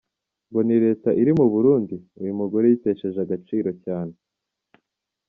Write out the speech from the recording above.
ngo nta leta iri muburundi? uyumugore yitesheje agaciro cyane.